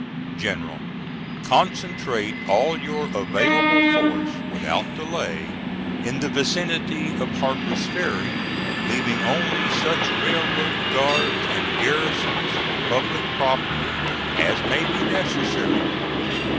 "GENERAL: Concentrate all your available force without delay in the vicinity of Harper's Ferry, leaving only such railroad guards and garrisons for public property as may be necessary.